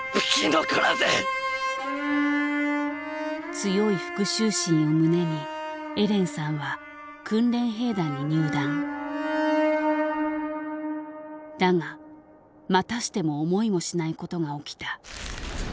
強い復讐心を胸にエレンさんはだがまたしても思いもしないことが起きた。